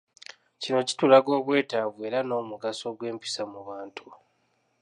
Kino kitulaga obwetaavu era n'omugaso gw'empisa mu bantu.